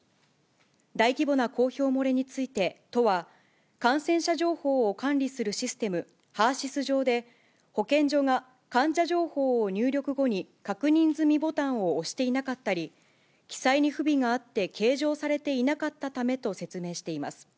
大規模な公表漏れについて都は感染者情報を管理するシステム、ＨＥＲーＳＹＳ上で保健所が患者情報を入力後に、確認済みボタンを押していなかったり、記載に不備があって計上されていなかったためと説明しています。